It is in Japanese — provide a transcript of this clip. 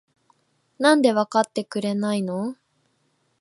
なんでわかってくれないの？？